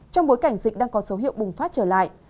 trong bối cảnh dịch đang có dấu hiệu bùng phát trở lại